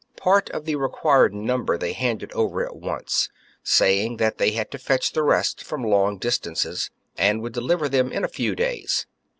Part of the required number they handed over at once, saying that they had to fetch the rest from long distances, and would deliver them in a few days.